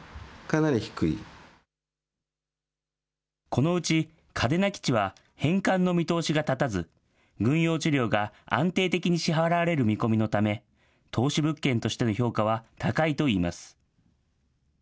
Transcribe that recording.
このうち、嘉手納基地は返還の見通しが立たず、軍用地料が安定的に支払われる見込みのため、投資物件としての評価は高いといいます。